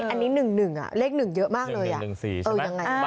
อันนี้๑๑อ่ะเลข๑เยอะมากเลยอ่ะ